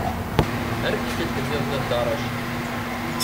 Ar tikkelt-nniḍen a Dda Racid.